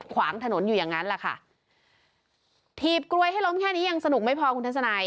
ขวางถนนอยู่อย่างนั้นแหละค่ะถีบกลวยให้ล้มแค่นี้ยังสนุกไม่พอคุณทัศนัย